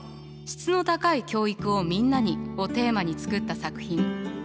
質の高い教育をみんなにをテーマに作った作品。